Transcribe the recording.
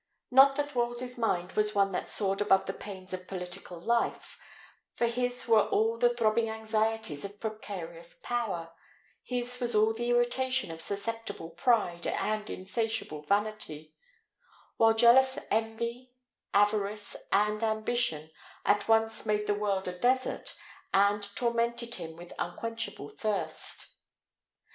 Not that Wolsey's mind was one that soared above the pains of political life; for his were all the throbbing anxieties of precarious power, his was all the irritation of susceptible pride and insatiable vanity; while jealous envy, avarice, and ambition, at once made the world a desert, and tormented him with unquenchable thirst.